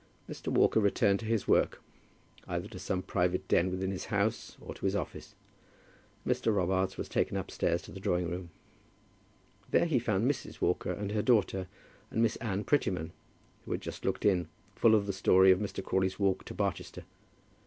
Mr. Walker returned to his work, either to some private den within his house, or to his office, and Mr. Robarts was taken upstairs to the drawing room. There he found Mrs. Walker and her daughter, and Miss Anne Prettyman, who had just looked in, full of the story of Mr. Crawley's walk to Barchester.